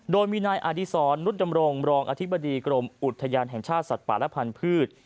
โดยมีนายอดีศรนุฏดำรงรองอธิบดีกรมอุทยานแห่งชาติสัตว์ป่าและพันธุ์